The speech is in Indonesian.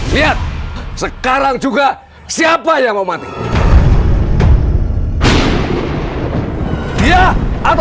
bapak terlalu percaya sama bukitulian